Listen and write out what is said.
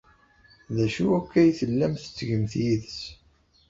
D acu akk ay tellam tettgem-t yid-s?